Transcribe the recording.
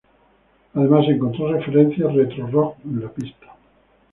Además, encontró referencias "retro-rock" en la pista.